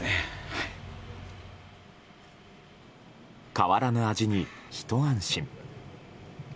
変わらぬ味にひと安心。